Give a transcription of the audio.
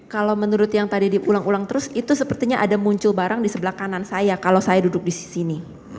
kalau menurut yang tadi diulang ulang terus itu sepertinya ada muncul barang di sebelah kanan saya kalau saya duduk di sini